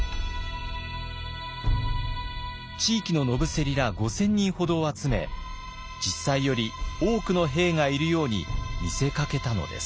地域の野伏ら５，０００人ほどを集め実際より多くの兵がいるように見せかけたのです。